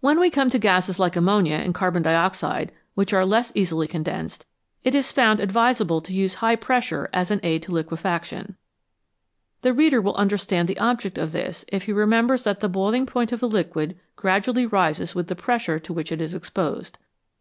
When we come to gases like ammonia and carbon dioxide, which are less easily condensed, it is found advis able to use high pressure as an aid to liquefaction. The reader will understand the object of this if he remembers that the boiling point of a liquid gradually rises with the pressure to which it is exposed.